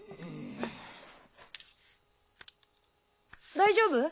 大丈夫？